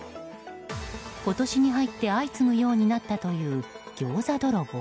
今年に入って相次ぐようになったというギョーザ泥棒。